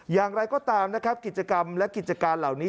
อย่างไรก็ตามนะครับกิจกรรมและกิจการเหล่านี้